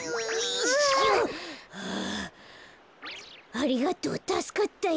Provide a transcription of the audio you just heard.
ありがとうたすかったよ。